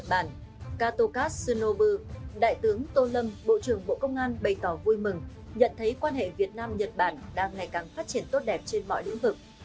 bộ trưởng tô lâm bộ trưởng bộ công an bày tỏ vui mừng nhận thấy quan hệ việt nam nhật bản đang ngày càng phát triển tốt đẹp trên mọi lĩnh vực